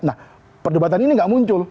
nah perdebatan ini nggak muncul